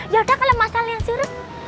yaudah kalau masalah yang suruh